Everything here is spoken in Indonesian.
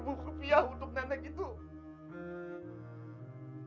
ternyata janji allah tidak selamanya benar